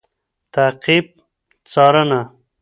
تعقیب √څارنه